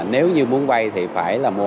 nếu như muốn vay thì phải mua